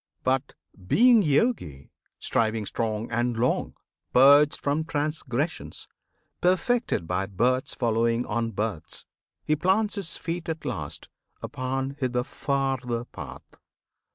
But, being Yogi, striving strong and long, Purged from transgressions, perfected by births Following on births, he plants his feet at last Upon the farther path.